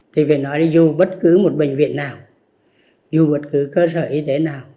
thì phải nói là vô bất cứ một bệnh viện nào vô bất cứ cơ sở y tế nào